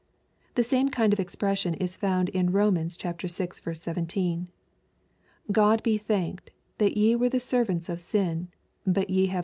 The same kind of expression is found in Eom. vi 17. " Grod be thanked, that ye were the servants of sin, but ye have